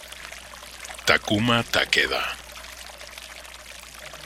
Takuma Takeda